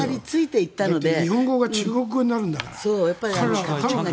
だって日本語が中国語になるんだから。